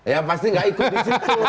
ya pasti gak ikut disitu